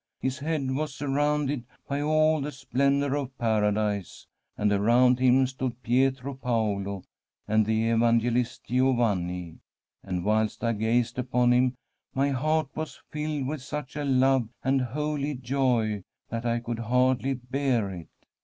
His head was surrounded by all the splendour of Paradise, and around Him stood Pietro Paolo and the Evange list Giovanni. And whilst I gazed upon Him my heart was filled with such a love and holy joy that I could hardly bear it.